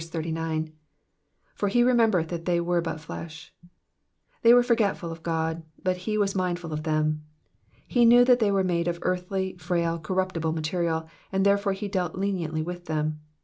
''''For he remembered that they were hut fleshy They were forgetful of God, but he was mindful of them. He knew that they were made of earthy, frail, corruptible material, and therefore he dealt leniently with them.